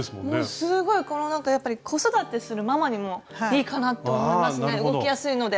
すごいやっぱり子育てするママにもいいかなと思いますね動きやすいので。